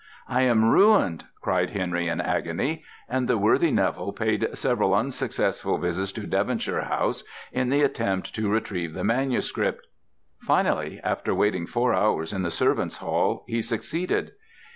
"I am ruined," cried Henry in agony; and the worthy Neville paid several unsuccessful visits to Devonshire House in the attempt to retrieve the manuscript. Finally, after waiting four hours in the servants' hall, he succeeded.